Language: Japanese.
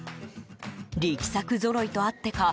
力作ぞろいとあってか